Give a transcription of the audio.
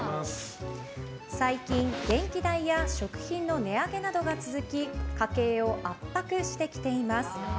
最近、電気代や食品の値上げなどが続き家計を圧迫してきています。